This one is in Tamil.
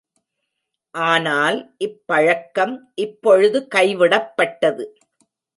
ஆனால் இப்பழக்கம் இப்பொழுது கைவிடப்பட்டது.